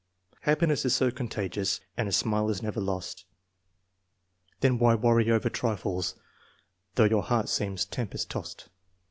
Happiness is so contagious, and a smile is never lost; Then why worry over trifles, though your heart seems tem pest tossed.